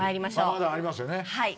まだありますよね。